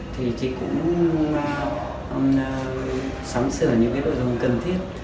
thì chị cũng sắm sửa những cái đồ dùng cần thiết